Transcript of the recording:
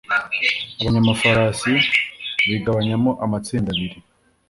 abanyamafarasi bigabanyamo amatsinda abiri